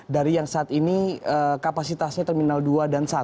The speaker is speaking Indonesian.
dari yang saat ini kapasitasnya terminal dua dan satu